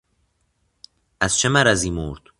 از چه مرضی مرد؟